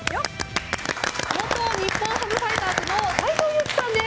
元日本ハムファイターズの斎藤佑樹さんです。